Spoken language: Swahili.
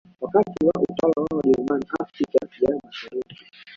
Wakati wa utawala wa Wajerumani Afrika ya Mashariki